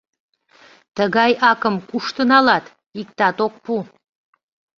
Тыгай акым кушто налат, иктат ок пу.